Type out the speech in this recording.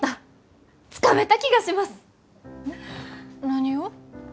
何を？